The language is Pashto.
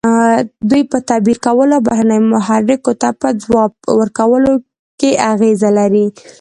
دوی په تعبیر کولو او بهرنیو محرکو ته په ځواب ورکولو کې اغیزه لري.